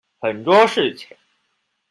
很多事情